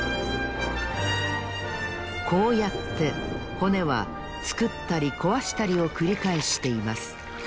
こうやって骨はつくったりこわしたりをくりかえしています。